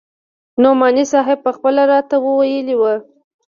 نعماني صاحب پخپله راته ويلي وو.